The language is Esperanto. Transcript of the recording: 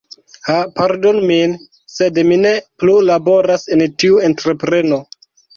"Ha pardonu min, sed mi ne plu laboras en tiu entrepreno.